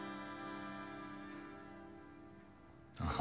ああ。